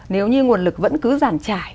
nếu như nguồn lực vẫn cứ giản trải